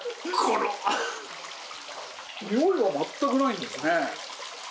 においは全くないんですね。